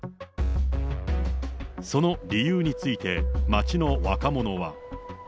その理由について、街の若者は。